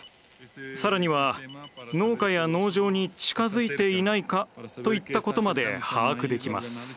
さらには農家や農場に近づいていないか？といったことまで把握できます。